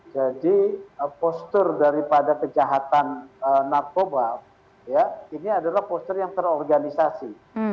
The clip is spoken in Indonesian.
jadi postur daripada kejahatan narkoba ini adalah postur yang terorganisasi